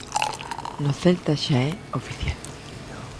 No Celta xa é oficial.